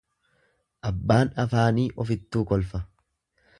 Abbaan afaanii ofittuu kolfa.